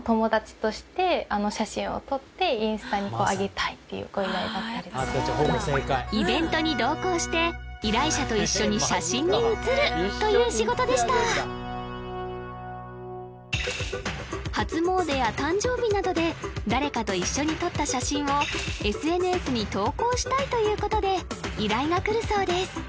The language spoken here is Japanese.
はい正解はっていうご依頼だったりとかイベントに同行して依頼者と一緒に写真に写るという仕事でした初詣や誕生日などで誰かと一緒に撮った写真をＳＮＳに投稿したいということで依頼が来るそうです